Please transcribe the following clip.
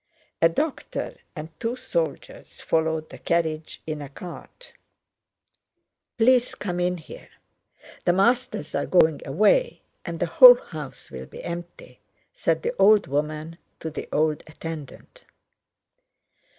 A doctor and two soldiers followed the carriage in a cart. "Please come in here. The masters are going away and the whole house will be empty," said the old woman to the old attendant.